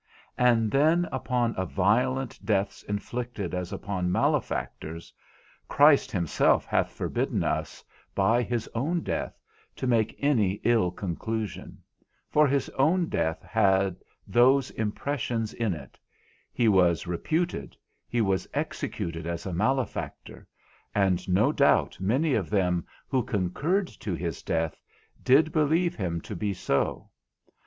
And then upon violent deaths inflicted as upon malefactors, Christ himself hath forbidden us by his own death to make any ill conclusion; for his own death had those impressions in it; he was reputed, he was executed as a malefactor, and no doubt many of them who concurred to his death did believe him to be so.